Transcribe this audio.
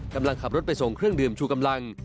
กำลังขับรถไปส่งเครื่องดื่มชูกำลัง